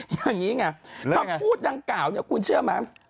อย่างนี้ไงคำพูดดังกล่าวเนี่ยคุณเชื่อไหม